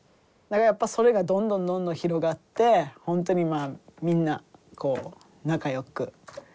やっぱそれがどんどんどんどん広がって本当にみんなこう仲よく。